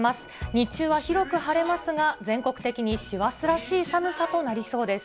日中は広く晴れますが、全国的に師走らしい寒さとなりそうです。